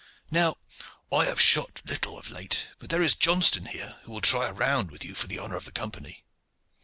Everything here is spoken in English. Now, I have shot little of late, but there is Johnston here who will try a round with you for the honor of the Company."